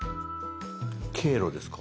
「経路」ですか？